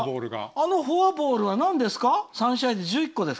あのフォアボールはなんですか？